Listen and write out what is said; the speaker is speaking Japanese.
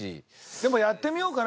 でもやってみようかな。